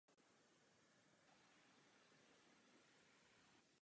Pravděpodobnou příčinou byl zásah bleskem při bouři.